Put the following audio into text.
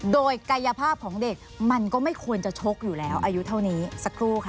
โดยกายภาพของเด็กมันก็ไม่ควรจะชกอยู่แล้วอายุเท่านี้สักครู่ค่ะ